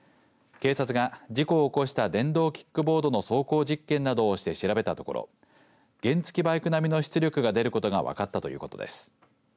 警察が事故を起こした電動キックボードの走行実験などをして調べたところ原付きバイクなみの出力が出ることが分かったということです。